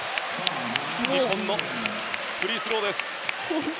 日本のフリースローです。